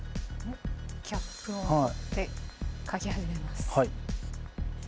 キャップを取って書き始めます。